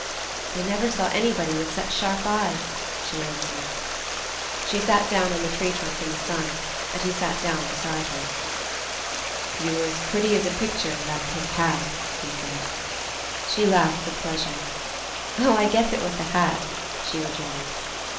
"I never saw anybody with such sharp eyes!" she answered. She sat down on the tree trunk in the sun and he sat down beside her. "You were as pretty as a picture in that pink hat," he said. She laughed with pleasure. "Oh, I guess it was the hat!" she rejoined.